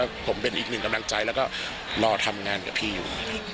ผมเป็นอีกหนึ่งกำลังใจแล้วก็รอทำงานกับพี่อยู่